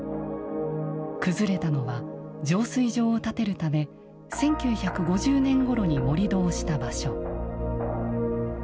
崩れたのは浄水場を建てるため１９５０年頃に盛土をした場所。